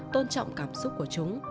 tôn trọng cảm xúc của chúng